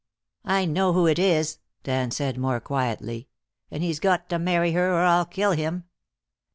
"I know who it is," Dan said, more quietly, "and he's got to marry her, or I'll kill him."